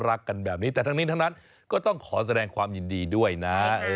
รักกันแบบนี้แต่ทั้งนี้ทั้งนั้นก็ต้องขอแสดงความยินดีด้วยนะ